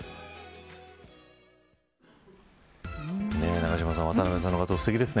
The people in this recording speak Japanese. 永島さん渡辺さん、すてきですね。